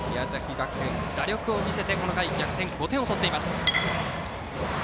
学園、打力を見せてこの回逆転、５点を取っています。